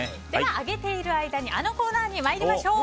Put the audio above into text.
揚げている間にあのコーナーに参りましょう。